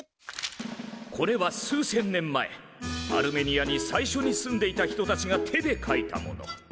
これは数千年前アルメニアに最初に住んでいた人たちが手でかいたもの。